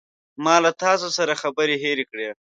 ما له تاسو سره خبرې هیرې کړې.